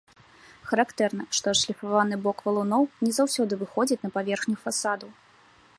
Характэрна, што адшліфаваны бок валуноў не заўсёды выходзіць на паверхню фасадаў.